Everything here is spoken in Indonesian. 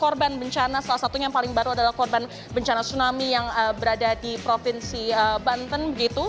korban bencana salah satunya yang paling baru adalah korban bencana tsunami yang berada di provinsi banten